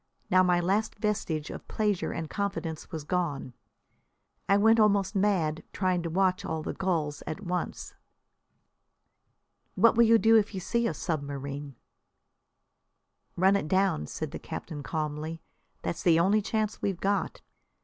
Now my last vestige of pleasure and confidence was gone. I went almost mad trying to watch all the gulls at once. "What will you do if you see a submarine?' "Run it down," said the captain calmly. "That's the only chance we've got.